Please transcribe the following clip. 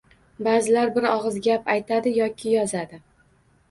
Ba’zilar bir og‘iz gap aytadi yoki yozadi.